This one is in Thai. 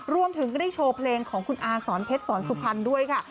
รวมถึงก็ได้โชว์เพลงของคุณอาสอนเพชรสอนสุพรรณด้วยค่ะ